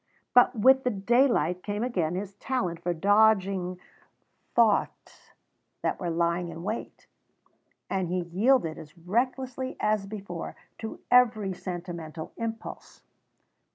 But with the daylight came again his talent for dodging thoughts that were lying in wait, and he yielded as recklessly as before to every sentimental impulse.